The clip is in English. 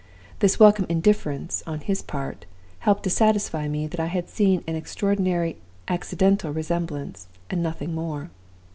This welcome indifference, on his part, helped to satisfy me that I had seen an extraordinary accidental resemblance, and nothing more.